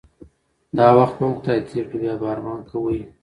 دا وخت به هم خدای تیر کړی بیا به ارمان کوی